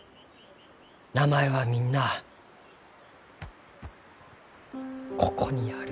名前はみんなあここにある。